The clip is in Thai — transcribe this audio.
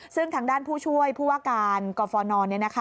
ซึ่งทางด้านผู้ช่วยผู้ว่าการกรฟนเนี่ยนะคะ